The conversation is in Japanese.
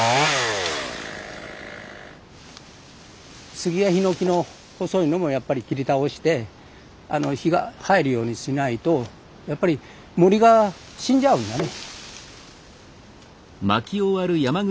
杉やヒノキの細いのもやっぱり切り倒して日が入るようにしないとやっぱり森が死んじゃうんだね。